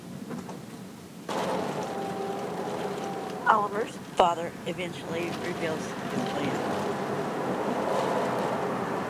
Oliver's father eventually reveals his plan.